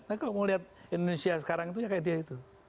tapi kalau mau lihat indonesia sekarang itu ya kayak dia itu